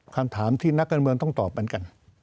คำถามที่นักการเมืองต้องตอบเหมือนกัน